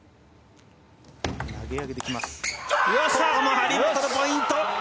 張本のポイント！